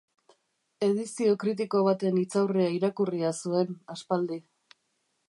Edizio kritiko baten hitzaurrea irakurria zuen, aspaldi.